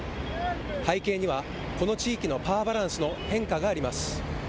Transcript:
背景には、この地域のパワーバランスの変化があります。